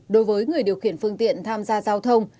đối với người điều khiển phương tiện tham gia giao thông